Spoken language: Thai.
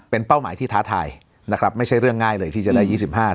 เป็นเป้าหมายที่ท้าทายนะครับไม่ใช่เรื่องง่ายเลยที่จะได้๒๕